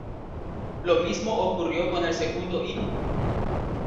Lo mismo ocurrió con el segundo hijo.